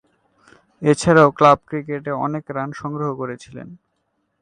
এছাড়াও ক্লাব ক্রিকেটে অনেক রান সংগ্রহ করেছিলেন।